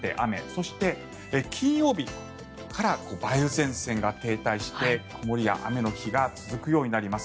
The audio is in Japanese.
そして、金曜日から梅雨前線が停滞して曇りや雨の日が続くようになります。